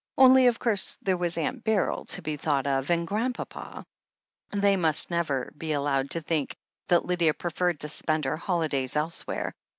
Only, of course, there was Aunt Beryl to be thought of — and Grandpapa. They must never be allowed to 288 THE HEEL OF ACHILLES think that Lydia preferred to spend her holidays else where